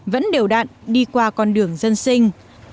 vẫn đều đạn đi qua con đường dân sinh